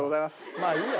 まあいいや。